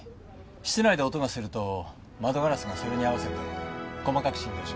室内で音がすると窓ガラスがそれに合わせて細かく振動します。